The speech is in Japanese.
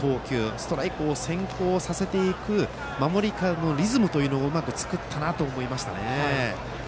ストライクを先行させていって守りからのリズムというのをうまく作ったなと思いました。